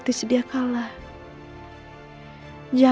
terima kasih bu